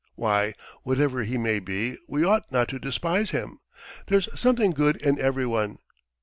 Why, whatever he may be, we ought not to despise him. ... There's something good in everyone.